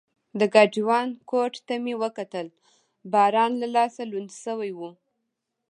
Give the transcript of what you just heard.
د ګاډیوان کوټ ته مې وکتل، باران له لاسه لوند شوی و.